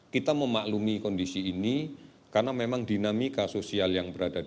kita memaklumi kondisi ini karena memang dinamika sosial yang berada di